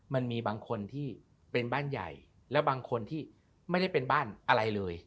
มันมีบางคนที่เป็นบ้านใหญ่แล้วบางคนที่ไม่ได้เป็นบ้านอะไรเลย